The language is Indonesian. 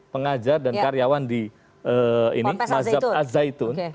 pengajar dan karyawan di mazhab al zaitun